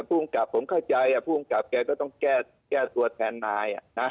ภูมิกับผมเข้าใจภูมิกับแกก็ต้องแก้แก้ตัวแทนนายน่ะ